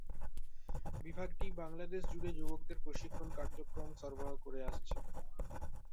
বিভাগটি বাংলাদেশ জুড়ে যুবকদের প্রশিক্ষণ কার্যক্রম সরবরাহ করে আসছে।